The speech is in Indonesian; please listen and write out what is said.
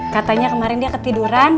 katanya kemarin dia ketiduran